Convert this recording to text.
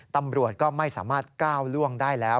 ตำรวจก็ไม่สามารถก้าวล่วงได้แล้ว